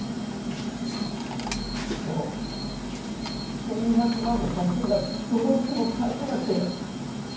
でも１２００万の借金がどうしても返せなくて。